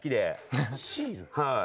はい。